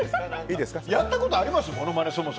やったことあります？